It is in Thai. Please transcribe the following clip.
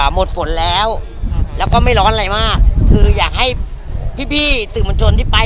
หมดฝนแล้วแล้วก็ไม่ร้อนอะไรมากคืออยากให้พี่พี่สื่อมวลชนที่ไป